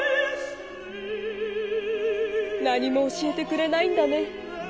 何も教えてくれないんだね。